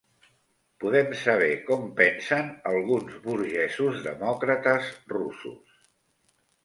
Podem saber com pensen alguns burgesos demòcrates russos.